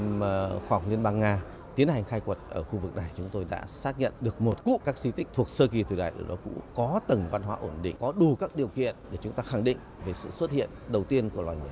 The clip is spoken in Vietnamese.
trong năm khóa học liên bang nga tiến hành khai quật ở khu vực này chúng tôi đã xác nhận được một cụ các di tích thuộc sơ kỳ thời đại đổ đa cũ có tầng văn hóa ổn định có đủ các điều kiện để chúng ta khẳng định về sự xuất hiện đầu tiên của loài người